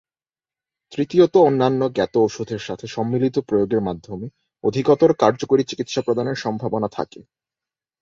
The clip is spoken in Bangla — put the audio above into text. তৃতীয়ত অন্যান্য জ্ঞাত ঔষধের সাথে সম্মিলিত প্রয়োগের মাধ্যমে অধিকতর কার্যকরী চিকিৎসা প্রদানের সম্ভাবনা থাকে।